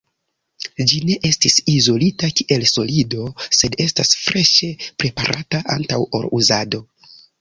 Ĝi ne estis izolita kiel solido, sed estas freŝe preparata antaŭ ol uzado.